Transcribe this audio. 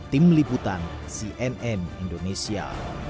tim liputan cnn indonesia